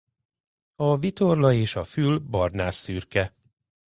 A vitorla és a fül barnásszürke.